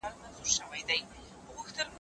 کوزه په درې پلا ماتېږي.